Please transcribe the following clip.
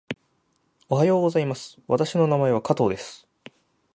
おはようございます。私の名前は加藤です。